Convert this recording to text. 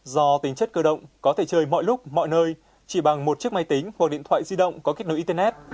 do tính chất cơ động có thể chơi mọi lúc mọi nơi chỉ bằng một chiếc máy tính hoặc điện thoại di động có kết nối internet